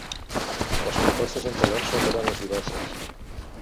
Les propostes en talons són d'allò més diverses.